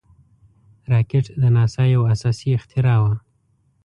راکټ د ناسا یو اساسي اختراع وه